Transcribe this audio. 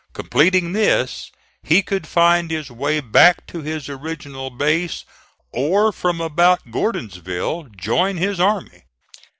Completing this, he could find his way back to his original base, or from about Gordonsville join this army.